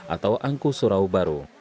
atau angku surau baru